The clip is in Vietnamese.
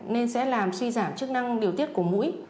nên sẽ làm suy giảm chức năng điều tiết của mũi